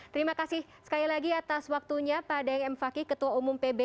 terima kasih sekali lagi atas waktunya pak daeng m fakih ketua umum pbb